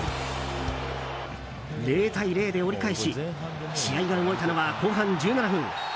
０対０で折り返し試合が動いたのは後半１７分。